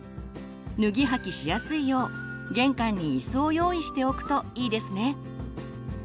脱ぎ履きしやすいよう玄関にいすを用意しておくといいですね。